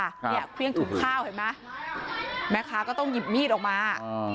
นะครับเครียมถุงข้าวเห็นไหมแม่ค้าก็ต้องหีบมีดออกมา